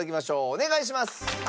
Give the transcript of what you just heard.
お願いします。